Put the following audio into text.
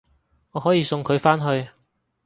我可以送佢返去